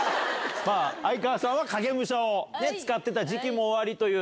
相川さんは影武者を使ってた時期もおありという。